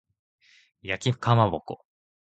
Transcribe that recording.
焼きかまぼこ